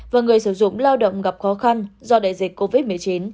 và người sử dụng lao động gặp khó khăn do đại dịch covid một mươi chín